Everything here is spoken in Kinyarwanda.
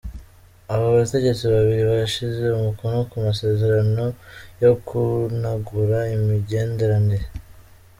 Abo bategetsi babiri barashize umukono ku masezerano yo gunagura imigenderanire.